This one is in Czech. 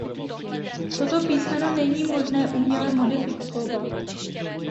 Toto písmeno není možné uměle modifikovat.